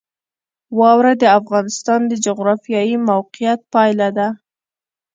واوره د افغانستان د جغرافیایي موقیعت پایله ده.